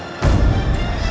itu buruk banget